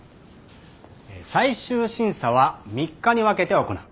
最終審査は３日に分けて行う。